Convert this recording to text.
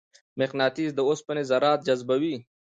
مقناطیس د اوسپنې ذرات جذبوي.